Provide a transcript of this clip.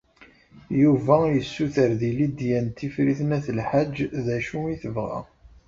Yuba yessuter Lidya n Tifrit n At Lḥaǧ d acu i tebɣa.